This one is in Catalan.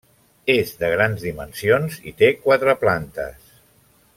És de grans dimensions i té quatre plantes.